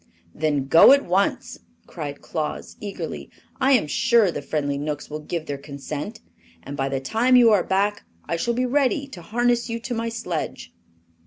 "Then go at once!" cried Claus, eagerly. "I am sure the friendly Knooks will give their consent, and by the time you are back I shall be ready to harness you to my sledge."